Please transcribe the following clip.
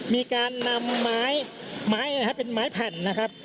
มีการนำไม้นะครับเป็นไม้แผ่นนะครับ